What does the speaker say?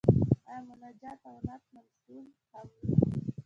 آیا مناجات او نعت منثور هم وي؟